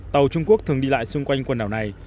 tàu trung quốc thường đi lại xung quanh quần đảo này